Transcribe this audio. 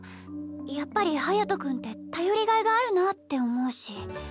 やっぱり隼君って頼りがいがあるなって思うし。